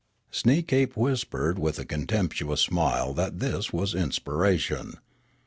Sneekape whispered with a contemptuous smile that this was inspiration.